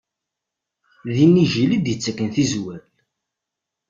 D inijjel i d-ittaken tizwal.